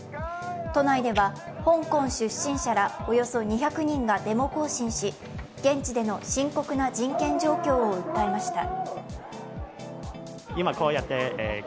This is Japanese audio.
都内では香港出身者らおよそ２００人がデモ行進し、現地での深刻な人権状況を訴えました。